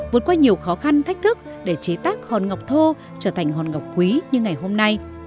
vượt qua nhiều khó khăn thách thức để chế tác hòn ngọc thô trở thành hòn ngọc quý như ngày hôm nay